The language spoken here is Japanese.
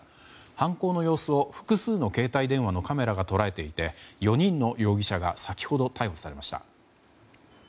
犯行の様子を、複数の携帯電話のカメラが捉えていて４人の容疑者が先ほど逮捕されました。